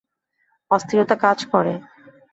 অস্থিরতা কাজ করে।